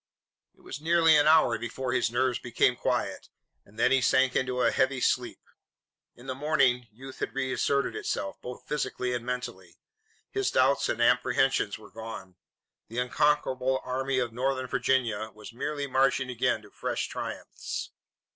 It was nearly an hour before his nerves became quiet, and then he sank into a heavy sleep. In the morning youth had reasserted itself, both physically and mentally. His doubts and apprehensions were gone. The unconquerable Army of Northern Virginia was merely marching again to fresh triumphs.